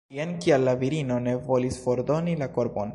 Jen kial la virino ne volis fordoni la korbon!